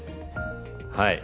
はい。